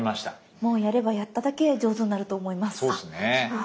もうやればやっただけ上手になると思います。